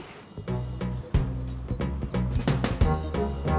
kamu harus menangis